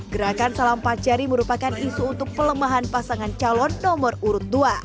gerakan salam pacari merupakan isu untuk pelemahan pasangan calon nomor urut dua